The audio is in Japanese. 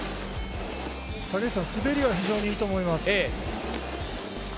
滑りは非常にいいと思います。